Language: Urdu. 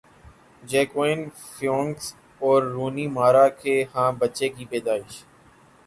جیکوئن فیونکس اور رونی مارا کے ہاں بچے کی پیدائش